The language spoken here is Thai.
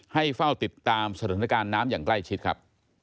เฝ้าติดตามสถานการณ์น้ำอย่างใกล้ชิดครับ